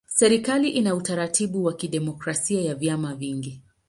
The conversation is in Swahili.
Serikali ina utaratibu wa kidemokrasia ya vyama vingi.